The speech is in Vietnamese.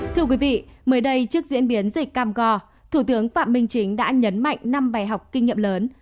thưa quý vị mới đây trước diễn biến dịch cam go thủ tướng phạm minh chính đã nhấn mạnh năm bài học kinh nghiệm lớn